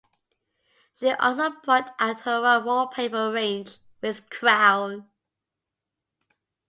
She also brought out her own wallpaper range with Crown.